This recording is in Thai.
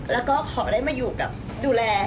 แล้วก็ขอได้มาอยู่กับดูแล